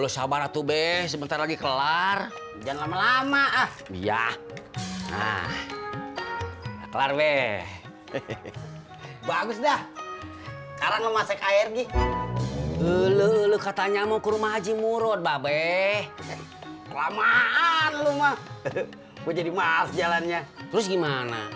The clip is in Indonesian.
sampai jumpa di video selanjutnya